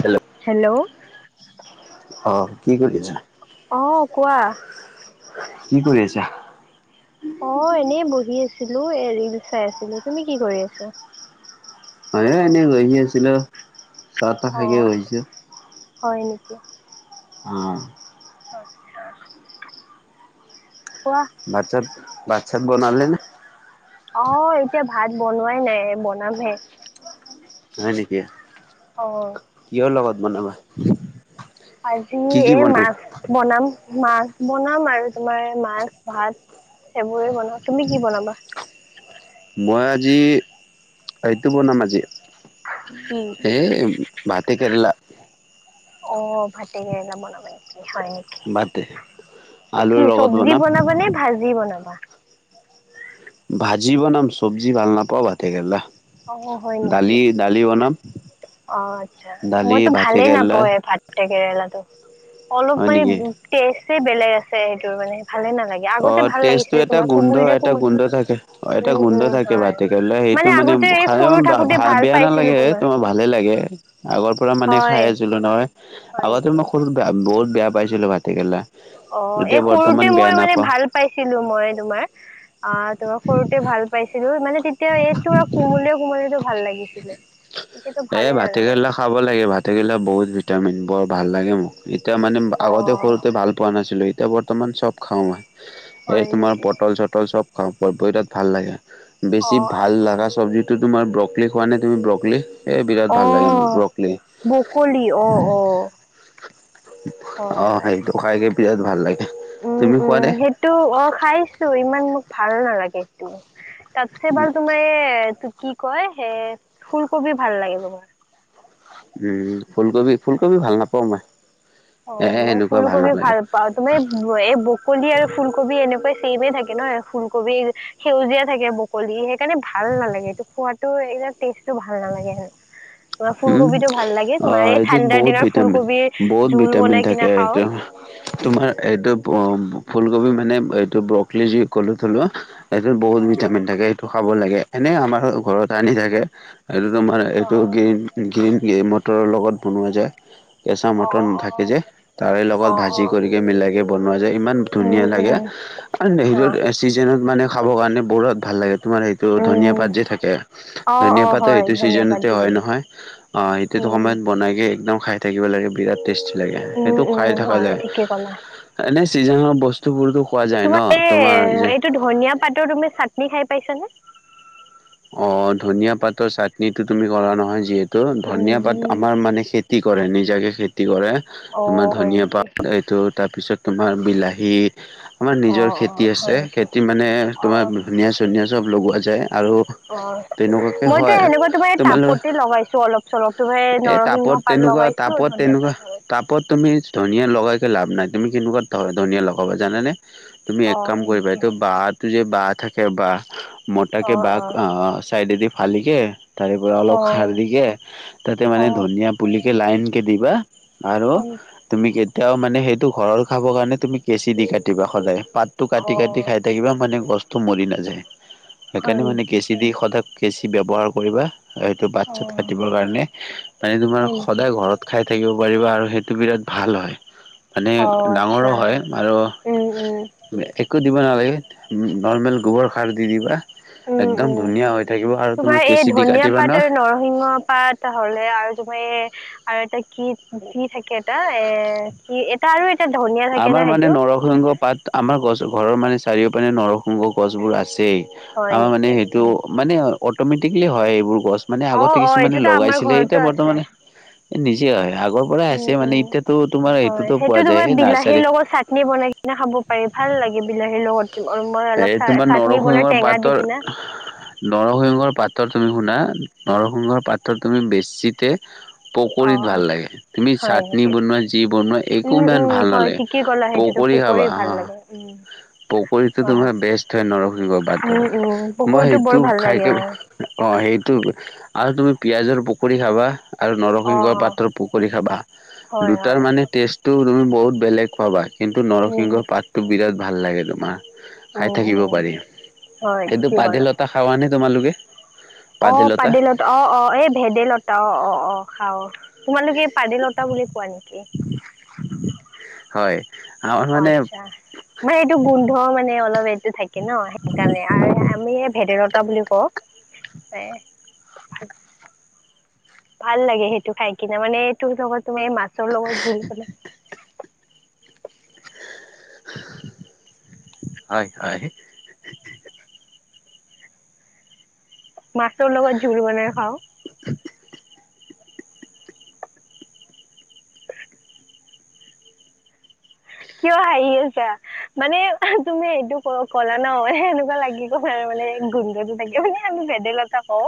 Hello hello অ কি কৰি আছা? অ কোৱা কি কৰি আছা অ এনেই বহি আছিলো এ ৰিল চাই আছিলো তুমি কি কৰি আছা হয় এনেই বহি আছিলো চাহ তাহ অ খাইকেনে বহিছোঁ। হয় নেকি? আহ আচ্ছা কোৱা। ভাত চাত বনালে নে? অ এতিয়া ভাত বনোৱাই নাই বনামহে। হয় নেকি অ কিহৰ লগত বনাবা। আজি কি কি এ বনাম? মাছ বনাম মাছ বনাম আৰু তোমাৰ মাছ ভাত। সেইবোৰে বনোৱা তুমি কি বনাবা মই আজি এইটো বনাম আজি। কি? এ ভাতে কেৰেলা। অ ভাতে কেৰেলা বনাবা নিকি? হয় নেকি ভাতে আলুৰ কি লগত চব্জি বনাম, বনাবা নে ভাজি বনাবা। ভাজি বনাম চব্জি ভাল নাপাওঁ ভাটে কেৰেলা অ হয় নেকি দালি দালি বনাম। অ আচ্ছা দালি মইতো ভাতে ভালে কেৰেলা নাপাওঁ ভাটে কেৰেলা অলপ হয় মানে নেকি? টেষ্ট বেলেগ আছে সেইটোৰ মানে ভালে নালাগে অ আগতে ভাল তেজটো লাগিছিলে এটা তোমাৰ গোন্ধ কোমল যে এটা কোমল গোন্ধ থাকে এটা উম গোন্ধ উম থাকে হয় ভাতে কেৰেলা এইটো মানে আগতে খ এই সৰু ভ থাকোতে ভাল বেয়া পাইছিলো নালাগে তোমাৰ ভালে লাগে আগৰ পৰা মানে হয় খাই আছিলো নহয় হয় আগতে নেকি মই সৰুত বয়া বহুত বেয়া পাইছিলো ভাতে কেৰেলা অ এই সৰুতে মই মানে ভাল পাইছিলো মই তোমাৰ অ তোমাৰ সৰুতে ভাল পাইছিলো মানে। তেতিয়া এইটো কোমলিয়া কোমালিয়া টো ভাল লাগিছিলে। এতিয়াতো এই ভালে নালাগে ভাটকেইলা খাব লাগে ভাতে কেৰেলা বহুত ভিটামিন বৰ ভাল লাগে মোক। এতিয়া মানে অ আগতে সৰুতে ভাল পোৱা নাছিলো এতিয়া বৰ্তমান চব খাও মই। এই হয় তোমাৰ নেকি পটল চটল চব খাওঁ প তাত ভাল লাগে। অ বেছি ভাল আচ্ছা লগা চব্জিতটো তোমাৰ ব্ৰকলি খোৱা নে তুমি ব্ৰকলি এই বিৰাট অ ভাল লাগে মোক ব্ৰকলি। বকলি অ অ হয় অ হয় সেইটো খাইকে বিৰাট ভাল লাগে। উম তুমি উম খোৱা নে? সেইটো অ খাইছো ইমান মোক ভাল নালাগে সেইটো। তাতছে ভাল তোমাৰ এ কি কয় স ফুলকবি ভাল লাগে তোমাৰ। উম ফুলকবি ফুলকবি ভাল নাপাওঁ মই। অ এ মই এনেকুৱা ফুলকবি নালাগে। ভাল পাও তুমাৰ এই বকলি আৰু ফুলকবি এনেকুৱা ছেমে থাকে ন। নহয় ফুলকবি। সেউজীয়া থাকে বকলি সেইকাৰণে ভাল নালাগে এইটো খোৱাতো ইয়া টেষ্টটো ভাল নালাগে সেন। তোমাৰ উম, ফুলকবিটো ভাল লাগে তোমাৰ এই ঠাণ্ডাৰ দিনৰত ফুলকবিৰ। কত জোল ভিটামিন বনাই কিনে থাকে খাওঁ এইটো তোমাৰ এইটো। ফুলকবি মানে এইটো ব্ৰকলি যি ক'লো থলো এইটোত বহুত অ ভিটামিন থাকে এইটো। লাগে এনে আমাৰ ঘৰত আনি থাকে এইটো তোমাৰ--। অ ত' গ্ৰীণ গ্ৰীণ মটৰৰ লগত বনোৱা যায়। কেঁচা অ মটৰ নাথাকে যে অ তাৰে অ লগত ভাজি অ কৰিক মিলাই কে বনোৱা। ইমান উম ধুনীয়া উম লাগে আৰু অ হেৰিত চিজনত মানে খাব কাৰণে বিৰাট ভাল লাগে। তোমাৰ সেইটো ধনিয়া উম পাত যে থাকে অ', ধনিয়া অ', পাতো হয় এইটো ধনিয়া ছিজন। পাত দি হয় কিনে নহয় অ এইটোতো উম, সময়ত বনাইকে একদম খাই থাকিব লাগে বিৰাট। টেষ্টি লাগে উম, সেইটো খাই উম, থকা হয় যায় ঠিকে ক'লা। এনেই চিজেন বস্তুবোৰতো। তোমাৰ এই এইটো ধনিয়া পাতৰ তুমি চাটনি খাই পাইছানে। অ ধনিয়া পাতৰ চাটনিটো তুমি কৰা নহয় যিহেতু। তো ধনিয়া পাত উম, আমাৰ মানে খেতি কৰে নিজাকে খেতি কৰে। তোমাৰ অ', হয় ধনিয়া নেকি? পাত এইটো তাৰপিছত তোমাৰ বিলাহী। আমাৰ নিজৰ অ', অ', খেতি হয় আছে। নেকি? খেতি মানে তোমাৰ অ', ধুনিয়া চনিয়া চব লগোৱা যায় আৰু অ তেনেকুৱাকে মইতো হয় সেনেকুৱা তোমাৰ এই টাপতে লগাইছো অলপ চলপ তোমাৰ এই এ নৰসিংহ টাপত পাত তেনেকুৱা লগাইছো টাপত ধনিয়া পাত তেনেকুৱা লগাইছো। টাপত তুমি ধনিয়া লগাই লাভ নাই। তুমি কেনেকুৱা ধনীয়া লগাবা জানানে তুমি এক অ', কাম হয় কৰিবা নেকি? এইটো বাদ যে বা থাকে বাঁহ মোটা কে অ', বাঁহ অ', চাইডে দি ফালি কে। তাৰে পৰা অলপ সাৰ অ', দিকে তাতে মানে অ', ধনিয়া পুলিকে লাইন কে দিবা। আৰু হয় নেকি? তুমি কেতিয়াও মানে সেইটো ঘৰৰ খাব কাৰণে তুমি কেঁচি দি কাটিবা সদায়। পাতটো কাটি কাটি অ', খাই থাকিবা মানে গছটো মৰি নাযায় হয় সেইকাৰণে মানে নেকি? কেচি দি সদায়। কেচি ব্যৱহাৰ কৰিবা হেটো পাত চাত অ', কাটিবৰ কাৰণে পানী তোমাৰ হয় নেকি? সদায় ঘৰত খাই। থাকিব পাৰিবা আৰু সেইটো বিৰাট ভাল হয়। মানে অ', ডাঙৰো আচ্ছা হয় আৰু। উম, উম। কি ক দিব নালাগে নৰ্মেল গোবৰ খাৰ দি দিবা। উম একদম উম ধুনীয়া হৈ থাকিব আৰু তোমাৰ এই কেঁচি দি ধনিয়া কাটিবা পাত ন আৰু নৰসিংহ পাত হ। আৰু তুমাৰ আৰু এটা কি কি থাকে এটা এ কি এটা আৰু। এটা ধনিয়া থাকে আমাৰ ন মানে সেইটো? নৰসিংহ পাত আমাৰ ঘৰৰ মানে চাৰিও পিনে নৰসিংহ। গছবোৰ আছেই হয় আমাৰ মানে নেকি? সেইটো মানে অট'মেটিকলি হয় এইবোৰ। গছ মানে আগতে অ', অ', কিছুমানে এইটোতো আমাৰ লগাইছিলে ঘৰতো এতিয়া আছে। বৰ্তমানে। নিজে হয় আগৰ পৰাই আছে উম, মানে উম। এতিয়াতো তোমাৰ সেইটোতো পোৱা যায় সেই নাৰ্চ বিলাহিৰ লগত চাটনি বনাই কিনে খাব পাৰি ভাল লাগে বিলাহীৰ লগত। মই অলপ এই চা তোমাৰ চাটনি বনাই নৰসিংহৰ টেঙা দি পাতৰ কিনে, নৰসিংহৰ পাতৰ তুমি শুনা নৰসিংহৰ পাত তুমি বেছিতে পকৰীত ভাল অ', লাগে, তুমি হয় চাটনি নেকি? বনোৱা যি বনোৱা একো ইমান ভাল নালাগে। প পকৰিৰ ভাল লাগে উম পকৰিতো হয়, তোমাৰ বেষ্ট হয় নৰসিংহ উম, উম, পাতৰ মই পকৰীটো বৰ সেইটো ভাল লাগে খাইকে অ সেইটো আৰু তুমি পিয়াজৰ পকৰি খাবা আৰু নৰসিংহ অঁ পাতৰ পকৰি খাবা হয় হয় দুটাৰ মানে টেষ্ট টো তুমি বহুত বেলেগ পাবা কিন্তু উম, নৰসিংহ পাতটো বিৰাট ভাল লাগে তোমাৰ খাই উম, থাকিব উম, পাৰি হয় এইটো ঠিকেই পাদিলতা খাৱ নে তোমালোকে? অ পাদিলতা অ অ এই ভেদাইলতা অ অ অ খাওঁ। তোমালোকে পাদিলতা বুলি কোৱা নেকি? হয় আমাৰ অ মানে আচ্ছা, মানে এইটো গোন্ধ মানে অলপ এইটো থাক ন সেইকাৰণে আৰু আমি ভেদেল বুলিও কওঁ। ভাল লাগে সেইটো খাই কিনে মানে এইত তুমি মাছ লগত জোল খালে হয় হয় মাছৰ লগত জোল বনাই খাওঁ কিয় হাঁহি আছা মানে তুমি এইটো ক কলা ন এনেকুৱা লাগিবই আৰু মানে গোন্ধটো থাকে মানে আমি ভেদাইলতা কওঁ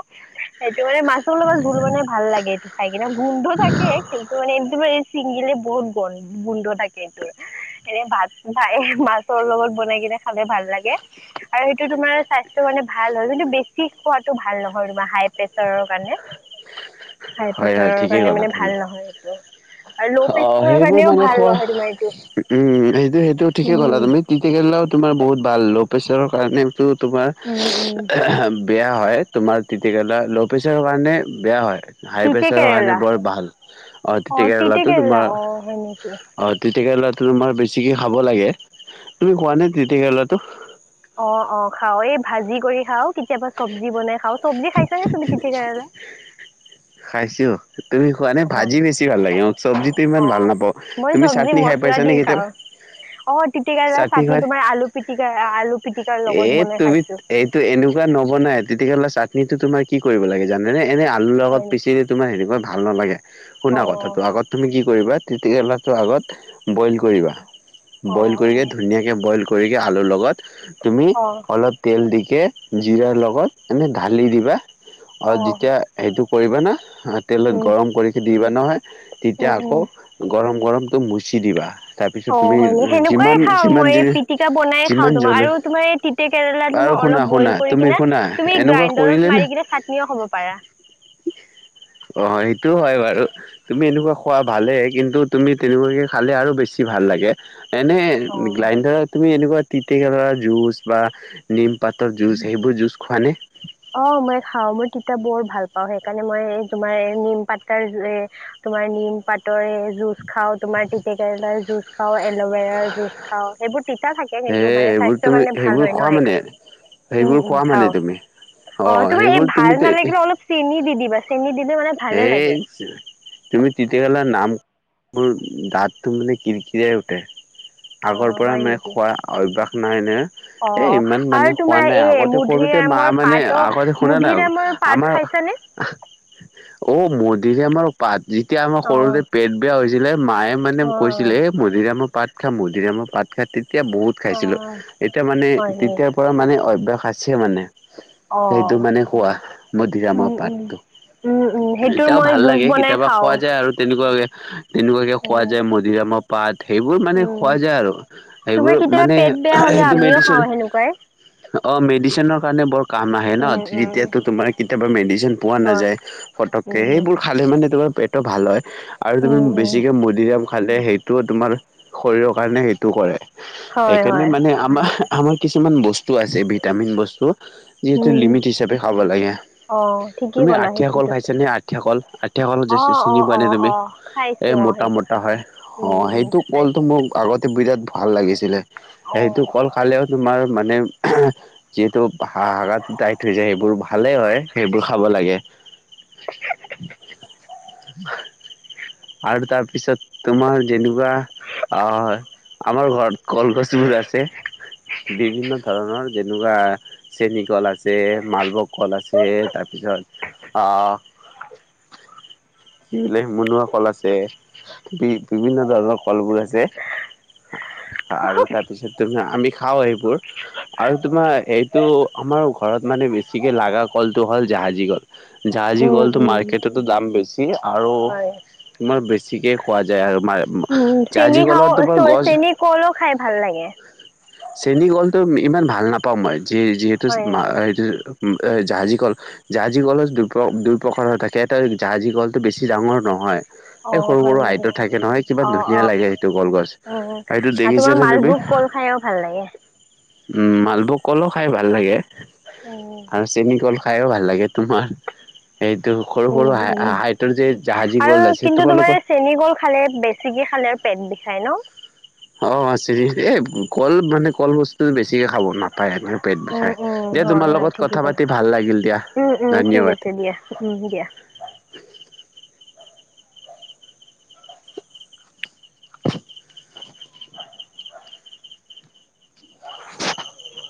সেইটো মানে মাছৰ লগত জোল বনাই ভাল লাগে এইটো খাই কিনে গুন্ধ থাকে কিন্তু মানে ছিংগিলে বহুত গ গোন্ধ থাকে এইটোৰ [inaudible] এনে ভাত ভাই মাছৰ লগত বনাই কিনে খালে ভাল লাগে আৰু সেইটো তোমাৰ স্বাস্থ্যৰ কাৰণে ভাল হয় কিন্তু বেছি খোৱাতটো ভাল নহয় তোমাৰ হাই প্ৰেছাৰৰ কাৰণে [inaudible] হাই হয় হয় প্ৰেচাৰৰ ঠিকেই কাৰণে ক'লা মানে তুমি ভাল নহয় সেইটো আৰু ল' অ প্ৰেচাৰৰ সেইবোৰ কাৰণেও মানে ভাল খোৱা নহয় তোমাৰ এইটো সেইটো সেইটো ঠিকে ক'লা উম তিটিকলাও তোমাৰ বহুত ভাল ল' প্ৰেছাৰৰ কাৰণে উম, উম, তোমাৰ বেয়া হয় তোমাৰ তিতাকেলা ল' প্ৰেছাৰৰ কাৰণে বেয়া হয় হাই তিতে প্ৰেছাৰ কাৰণে কেৰেলা বৰ ভাল অ তেতিয়া তিতে কেৰেলাটো কেৰেলা তোমাৰ অ', হয় নেকি? অ তিতা কেৰেলাটো তোমাৰ বেছিকে খাব লাগে তুমি কোৱা নে তিত কেৰেলাটো? অ অ খাও এই ভাজি কৰি খাও তিপ চব্জি বনাই খাওঁ চব্জি খাইছা নাই তুমি তিতা কেৰেলা? খাইছোঁ তুমি খোৱানে অ', ভাজি বেছি ভাল লাগে অ চব্জিতো ইমান ভাল অ', নাপাওঁ মই তুমি চব্জি চাটনি খাই মছলা পাইছা দি নে কেতিয়াবা? খাওঁ অ তিতিকাৰা চাটনি তোমাৰ আলু পিটিকা আলু পিটিকাৰ এ লগত বনাই তুমি খাইছোঁ এইটো এনেকুৱা নবনাই তিতা কেৰেলা চাটনিটো তোমাৰ কি কৰিব লাগে জানেনে? এনে আলুৰ লগত হয় নেকি? পিচিলে তুমাৰ হেনেকা ভাল নালাগে শুনা অ', কথাটো আগত তুমি কি তিতা কেৰেলা টো আগত বইল কৰিবা অ', বইল হয় কৰিলে নেকি? ধুনীয়াকে বইল আলু লগত। তুমি অ', অলপ তেল দি কে জিৰাৰ লগত এনেই ঢালি দিবা আৰু অ', যেতিয়া হেইটো কৰিবা না তেলত উম, গৰম কৰি দিবা নহয় তেতিয়া উম, আকৌ উম। গৰম গৰমটো মচি দিবা তাৰপিছত অ তুমি হয়নি সেনেকুৱাই যিমান খাও যিমান মই পিটিকা বনাই যিমান খাওঁ তোমাক জল আৰু তোমাৰ তিতে কেৰেলা আৰু তোমাৰ শুনা অলপ শুনা বইল কৰি তুমি কিনে শুনা তুমি এনেকুৱা কৰিলে গ্ৰাইণ্ডাৰত নে মাৰি কিনে চাটনিও খাব পাৰা অ সেইটোও হয় বাৰু তুমি এনেকুৱা খোৱা ভালেই কিন্তু তুমি তেনেকুৱাকে খালে আৰু বেছি ভাল লাগে। এনে অ গ্ৰাইণ্ডৰত তুমি এনেকুৱা তিতেকেলা জুজ বা নিম পাত জুছ সেইবোৰ জুছ খোৱা নে? অ মই খাও মই তিতা বৰ ভাল পাওঁ সেইকাৰণে মই তোমাৰ নিম পাতাৰ তোমাৰ নিম পাতৰে জুজ খা তোমাৰ তিতে কেৰেলাৰ জুচ খাও এল'ভেৰাৰ জুচ খাও সেইবোৰ তিতা থাকে হে কিন্তু মানে সেইবোৰ স্বাস্থ্যৰ তুমি কাৰণে ভাল সেইবোৰ হয় খোৱা ন মানে সেইকাৰণে উম সেইবোৰ উম খোৱা মানে খাও তুমি অ তোমাৰ এই সেইবোৰ তুমি ভাল নালাগিল অলপ চেনি দি দিবা চেনি দিলে মানে ভালে এই লাগে তুমি তেতিয়াহেলা নাম মোৰ দাঁতটো মানে কৰিকিৰিয়ই উঠে অ আগৰ পৰা হয় মে নেকি খোৱা অভ্যাস নাই নে অ এ অ ইমান আৰু মানে খোৱা তোমাৰ নাই এই আগতে সৰুতে মা মধুৰিআমৰ মানে পাতো আগতে শুনা না মধুৰিআমৰ পাত আমাৰ খাইছানে? অ মধুৰি আমৰ পাত যেতিয়া আমাৰ অ সৰুতে পেট বেয়া হৈছিলে মায়ে মানে অ কৈছিলে এ মধুৰামৰ পাত খা মধিৰামৰ পাত খা ত এতিয়া বহুত অ খাইছিলোঁ এতিয়া মানে হয় নি তেতিয়াৰ পৰা মানে অভ্যাস আছে মানে অ সেইটো মানে খোৱা মধুৰি উম আমৰ উম পাতটো উম উম সেইটো এতিয়াও মই ভাল জুচ লাগে বনাই কেতিয়াবা খোৱা খাওঁ যায় আৰু তেনেকুৱাকে তেনেকুৱাকে খোৱা উম যায় মধুৰি আমৰ সেইবোৰ মানে উম খোৱা যায় আৰু তোমাৰ সেইবোৰ কেতিয়াবা মানে পেট বেয়া হলে সেইটো আমিও মেডচ খাওঁ সেনেকুৱাই অ মেডিচনৰ কাৰণে বৰ কাম আহে ন উম উম তেতিয়া কেতিয়াবা মেডিচন পোৱা হয় নাযায়। ফটককে উম সেইবোৰ খালে মানে তোমাৰ পেটটো ভাল হয় আৰু তুমি উম উম বেছিকে মদিৰাম খালে সেইটোও তোমাৰ শৰীৰৰ কাৰণে সেইটো কৰে হয় সেইকাৰণে হয় মানে আমাৰ আমাৰ কিছুমান বস্তু আছে ভিটামিন বস্তু যিহেতু উম লিমিট হিচাপে খাব লাগে। অ ঠিকে তুমি ক'লা আঠিয়া সেইটো কল টো । খাইছানে আঠিয়া কল আঠিয়া কলত চিনি পোৱা অ নে তুমি অ খাইছো এই অ মোতা সেইটো মতা খাইছো হয় অ উম উম সেইটো । কলটো খাইছো মোক আগতে বিৰাট ভাল লাগিছিলে সেইটো কল খালেও তোমাক মানে । যিহেতু হ হাকাত ডাইট হৈ যায় সেইবোৰ ভালেই হয় সেইবোৰ খাব লাগে । [unintelligible] আৰু তাৰপিছত তোমাৰ যেনেকুৱা । অ হয়, আমাৰ ঘৰত কল-গছবোৰ আছে। বিভিন্ন ধৰণৰ যেনেকুৱা চেনী ক আছে মালভোক কল আছে, তাৰপিছত তাৰ পিছত, আহ' কি বোলে মুনোহহা কল আছে। বি, বিভিন্ন ধৰণৰ কলবোৰ আছে। আৰু অ তাৰপিছত তাম মানে আমি খাওঁ এইবোৰ, আৰু তোমাৰ এইটো আমাৰ ঘৰত মানে বেছিকে লাগা কলটো হ'ল জাহাজী কল। জাহাজি উম গ'লটো উম মাৰ্কেটতো দাম বেছি, আৰু হয় তোমাৰ বেছিকে খোৱা যায় আৰু মাৰ উম চেনী খাও, চৰি চেনী কলো খাই ভাল লাগে। চেনী কলটো ইমান ভাল নাপাওঁ মই য যিহেতু হয় মা নেকি এইটো জাহাজি কল জাহাজি, জাজী কলো দু দুইপ্ৰকাৰ থাকে ত, জাহাজী কলটো বেছি ডাঙৰ নহয়। অ এই সৰু হয় সৰু নেকি আইতো থাকে নহয়, কিমান অ ধুনীয়া অ লাগে সেইটো কলগছ উম উম আৰু সেটো দেখিছে তোমাৰ নে তুমি,? মালভোগ কল খাইও ভাল লাগে। উম মালভোগ কলো খাই ভাল লাগে, উম আৰু চেন কল খাইও ভাল লাগে। তোমাৰ সৈটো, সৰু উম সৰু হা উম হাইটৰ যে জাহাজী আৰু কল আছে কিন্তু তোমাৰ তোমালোকৰ চেনী কল খালে বেছিকে খালে পেট বিষাই ন? অ আছে ৰে, এই কল মানে কল বস্তু বেছিকে খাব ন পায়, আ পেট উম বিষাই, উম দিয়া হয় তোমাৰ হয় লগত ঠিকে কথা ক'লা পাতি ভাল লাগিল দিয়া, উম উম ঠিক ধন্যবাদ। আছে দিয়া উম দিয়া । উম' [unintelligible]